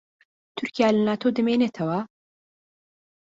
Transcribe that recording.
تورکیا لە ناتۆ دەمێنێتەوە؟